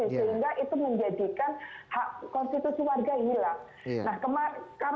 sehingga itu menjadikan hak konstitusi warga hilang